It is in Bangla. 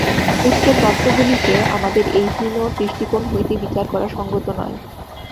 উচ্চ তত্ত্বগুলিকে আমাদের এই হীন দৃষ্টিকোণ হইতে বিচার করা সঙ্গত নয়।